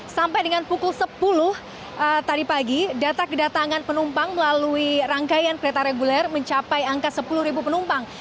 sampai dengan pukul sepuluh tadi pagi data kedatangan penumpang melalui rangkaian kereta reguler mencapai angka sepuluh penumpang